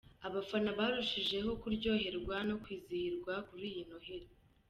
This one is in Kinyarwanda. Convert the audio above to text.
Abafana barushijeho kuryoherwa no kwizihirwa kuri iyi noheli.